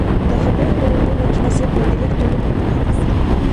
Дахадаевла районна киносетьла директорли мурт катурсири?